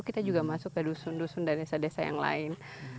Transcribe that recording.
kita juga masuk ke dusun dusun dan desa desa yang lain